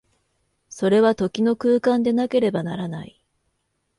それは時の空間でなければならない。